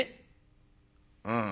「うん」。